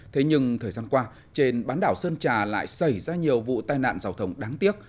thế nhưng thời gian qua trên bán đảo sơn trà lại xảy ra nhiều vụ tai nạn giao thông đáng tiếc